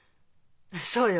そうよ。